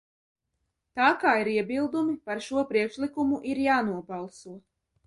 Tā kā ir iebildumi, par šo priekšlikumu ir jānobalso.